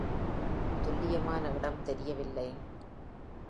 துல்லியமான இடம் தெரியவில்லை.